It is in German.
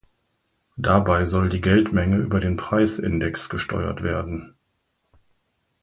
Dabei soll die Geldmenge über den Preisindex gesteuert werden.